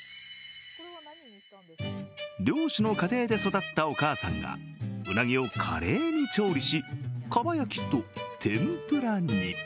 漁師の家庭で育ったお母さんがウナギを華麗に調理しかば焼きと天ぷらに。